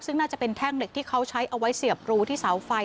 ซึ่งน่าจะเป็นแท่งเหล็กที่เขาใช้เอาไว้เสียบรูที่เสาไฟ